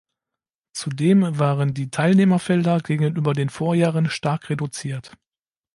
Zudem waren die Teilnehmerfelder gegenüber den Vorjahren stark reduziert.